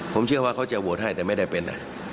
ผมเชื่อว่าเขาจะโหวตให้แต่ไม่ได้เป็น